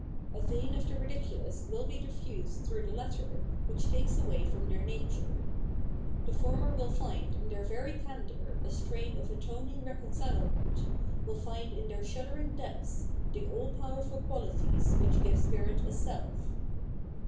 A vein of the ridiculous will be diffused through the latter, which takes nway from their nature "; the former will find in their very candour a strain of atoning reconcilement, will find in their shuddering depths the all powerful qualities which give spirit a self.